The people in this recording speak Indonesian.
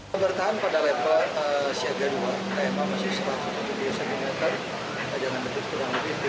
hai bertahan pada level siaga dua km masih seratus juta seminggu